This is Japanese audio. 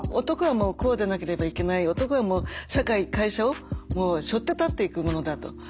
男はもうこうでなければいけない男はもう社会会社をしょって立っていくものだと。